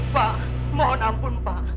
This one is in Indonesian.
pak mohon ampun pak